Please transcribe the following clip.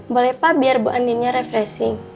boleh pak biar bu andina refreshing